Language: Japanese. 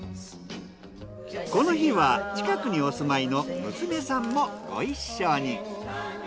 この日は近くにお住まいの娘さんもご一緒に。